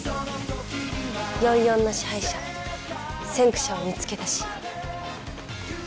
４４の支配者先駆者を見つけ出し。